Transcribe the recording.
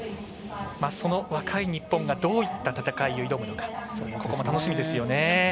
その若い日本がどういうふうな戦いを挑むのかここも楽しみですよね。